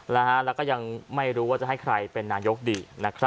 แล้วก็ยังไม่รู้ว่าจะให้ใครเป็นนายกดีนะครับ